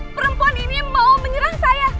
perempuan ini mau menyerang saya